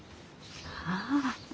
ああ。